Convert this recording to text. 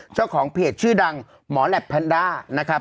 เจ้าของเพจชื่อดังหมอแหลปแพนด้านะครับ